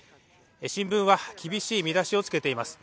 新聞は厳しい見出しをつけています。